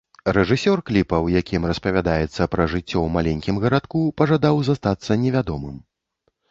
Рэжысёр кліпа, у якім распавядаецца пра жыццё ў маленькім гарадку, пажадаў застацца невядомым.